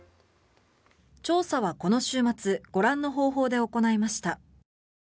調査はこの週末ご覧の方法で行いました。